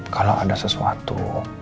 kalau ada sesuatu